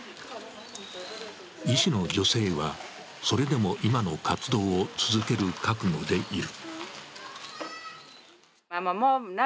医師の女性は、それでも今の活動を続ける覚悟でいる。